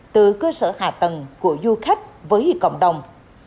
từ cơ sở hạ tầng của du khách với cộng đồng